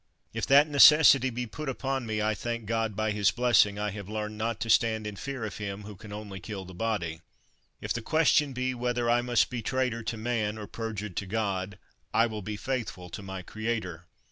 If that necessity be put upon me, I thank God, by his blessing, I have learned not to stand in fear of him who can only kill the body. If the question be whether I must be traitor to man or perjured to God, I will be faithful to my creator.